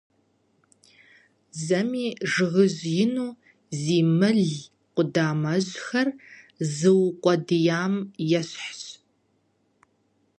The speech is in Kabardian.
Зэми жыгыжь ину зи мыл къудамэжьхэр зыукъуэдиям ещхыц.